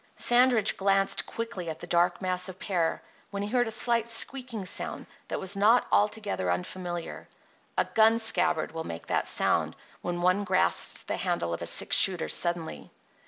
Sandridge glanced quickly at the dark mass of pear when he heard a slight squeaking sound that was not altogether unfamiliar. A gun scabbard will make that sound when one grasps the handle of a six shooter suddenly.